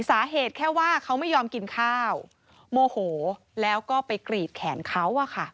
สาเหตุแค่ว่าเขาไม่ยอมกินข้าวโมโหแล้วก็ไปกรีดแขนเขา